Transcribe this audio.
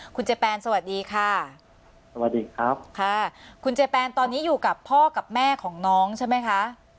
คุณเจแปนสวัสดีค่ะสวัสดีครับค่ะคุณเจแปนตอนนี้อยู่กับพ่อกับแม่ของน้องใช่ไหมคะ